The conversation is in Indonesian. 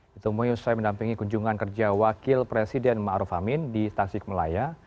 ditemui usai mendampingi kunjungan kerja wakil presiden ma'ruf amin di stasiun melaya